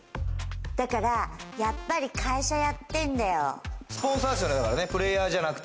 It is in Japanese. だから、やっぱり会社やってんだよ。